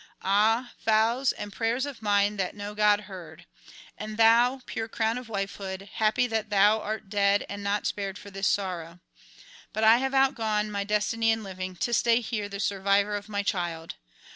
ah, vows and prayers of mine that no god heard! and thou, pure crown of wifehood, happy that thou art dead and not spared for this sorrow! But I have outgone my destiny in living, to stay here the survivor of my child.